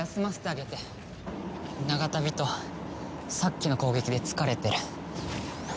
長旅とさっきの攻撃で疲れてる。